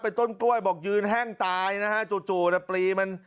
ต้นกล้วยบอกยืนแห้งตายนะฮะจู่จู่น่ะปลีมัน